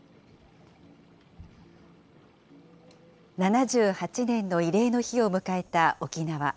７８年の慰霊の日を迎えた沖縄。